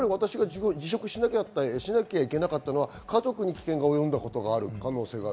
私が辞職しなきゃいけなかったのは、家族に危険がおよんだことがある可能性がある。